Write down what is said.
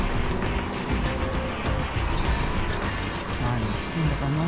何してんだかな。